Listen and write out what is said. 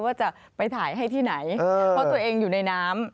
ว่าจะไปถ่ายให้ที่ไหนเพราะตัวเองอยู่ในน้ำ